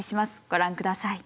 ご覧ください。